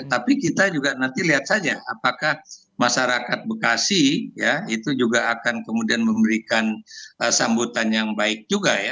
tapi kita juga nanti lihat saja apakah masyarakat bekasi ya itu juga akan kemudian memberikan sambutan yang baik juga ya